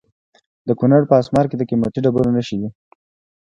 د کونړ په اسمار کې د قیمتي ډبرو نښې دي.